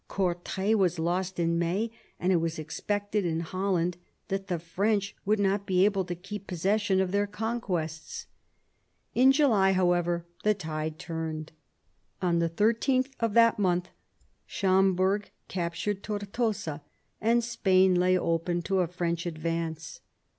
Courtray was lost in May, and it was expected in Holland that the French would not be able to keep possession of their conquests. In July, however, the tide turned. On the 13th of that month Schomberg captured Tortosa, and Spain lay open to a French advance.